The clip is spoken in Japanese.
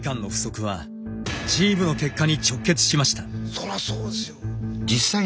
そらそうですよ。